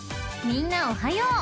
［みんなおはよう］